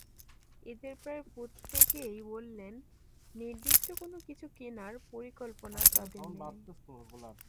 এঁদের প্রায় প্রত্যেকেই বললেন, নির্দিষ্ট কোনো কিছু কেনার পরিকল্পনা তাঁদের নেই।